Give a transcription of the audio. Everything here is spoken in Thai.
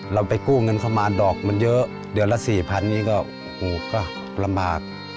เราไปกู้เงินเข้ามาดอกมันเยอะเดือนละ๔๐๐นี่ก็ลำบาก